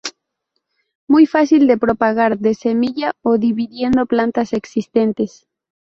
Muy fácil de propagar de semilla o dividiendo plantas existentes.